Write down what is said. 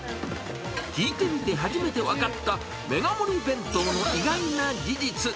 聞いてみて初めて分かった、メガ盛り弁当の意外な事実。